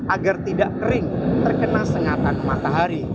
agar tidak kering terkena sengatan matahari